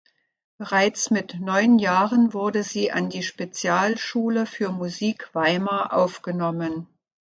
Bereits mit neun Jahren wurde sie an die Spezialschule für Musik Weimar aufgenommen.